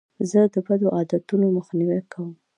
زه د بدو عادتو مخنیوی کوم.